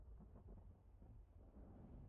زه غريب سړی يم، له مجبوری دلته راغلی يم.